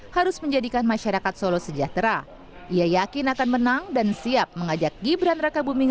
harus menjadikan masyarakat solo sejahtera ia yakin akan menang dan siap mengajak gibran raka buming